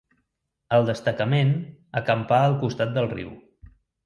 El destacament acampà al costat del riu.